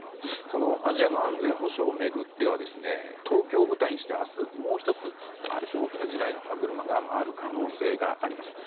アジアの安全保障を巡っては東京を舞台にして明日もう１つ大きな時代の歯車が回る可能性があります。